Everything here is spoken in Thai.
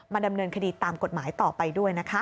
ดำเนินคดีตามกฎหมายต่อไปด้วยนะคะ